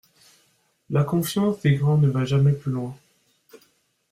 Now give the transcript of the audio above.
La confiance des grands ne va jamais plus loin.